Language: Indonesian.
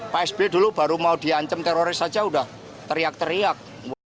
psb dulu baru mau di ancam teroris saja udah teriak teriak